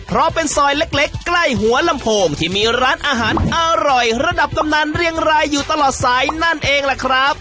เพราะเป็นซอยเล็กใกล้หัวลำโพงที่มีร้านอาหารอร่อยระดับกำนันเรียงรายอยู่ตลอดสายนั่นเองแหละครับ